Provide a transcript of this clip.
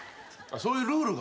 そういうルールが。